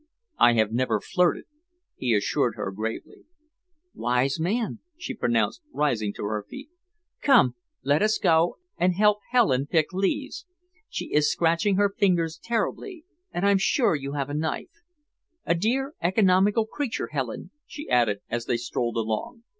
"I have never flirted," he assured her gravely. "Wise man," she pronounced, rising to her feet. "Come, let us go and help Helen pick leaves. She is scratching her fingers terribly, and I'm sure you have a knife. A dear, economical creature, Helen," she added, as they strolled along.